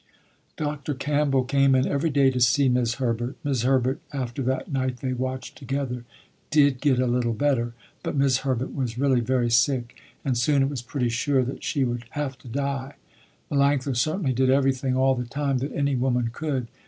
Dr. Campbell came in every day to see 'Mis' Herbert. 'Mis' Herbert, after that night they watched together, did get a little better, but 'Mis' Herbert was really very sick, and soon it was pretty sure that she would have to die. Melanctha certainly did everything, all the time, that any woman could.